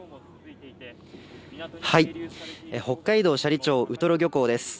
北海道斜里町ウトロ漁港です。